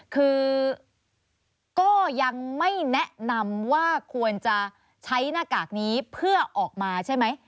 คือก็ยังไม่แนะนำว่าควรจะใช้หน้ากากนี้เพื่อออกมาใช่ไหม